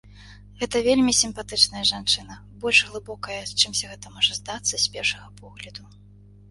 Гэта вельмі сімпатычная жанчына, больш глыбокая, чымся гэта можа здацца з першага погляду.